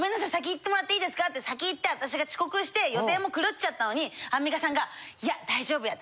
行ってもらっていいですかって先行って私が遅刻して予定も狂っちゃったのにアンミカさんがいや大丈夫や。